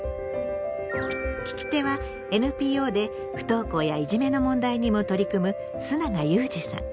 聞き手はＮＰＯで不登校やいじめの問題にも取り組む須永祐慈さん。